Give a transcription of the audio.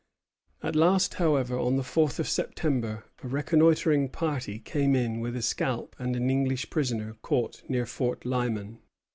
At last, however, on the fourth of September, a reconnoitring party came in with a scalp and an English prisoner caught near Fort Lyman.